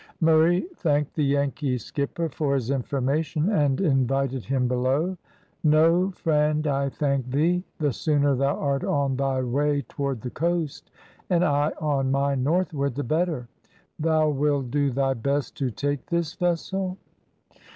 Murray thanked the Yankee skipper for his information, and invited him below. "No, friend, I thank thee. The sooner thou art on thy way toward the coast and I on mine northward, the better. Thou will do thy best to take this vessel?"